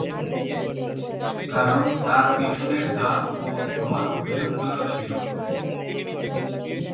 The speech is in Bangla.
কারণ তার পিছনের দাঁত ও চোয়াল বৃহত্তর ছিল।